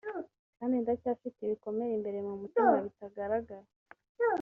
kandi ndacyafite ibikomere imbere mu mutima bitagaragara